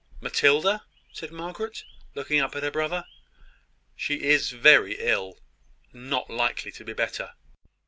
"Matilda?" said Margaret, looking up at her brother. "She is very ill; not likely to be better."